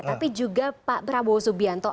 tapi juga pak prabowo subianto